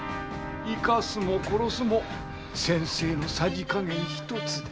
生かすも殺すも先生の匙加減ひとつ。